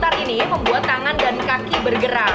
teknik putar ini membuat tangan dan kaki bergerak